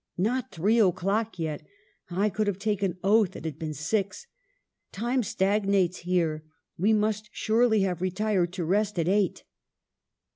'Not three o'clock yet ! I could have taken oath it had been six. Time stagnates here : we must surely have retired to rest at eight